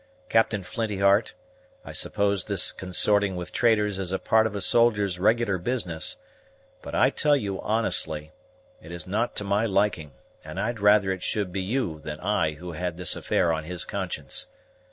Captain Flinty heart, I suppose this consorting with traitors is a part of a soldier's regular business; but, I tell you honestly, it is not to my liking, and I'd rather it should be you than I who had this affair on his conscience.